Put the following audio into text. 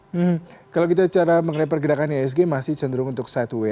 hmm kalau gitu cara mengenai pergerakan iisg masih cenderung untuk side way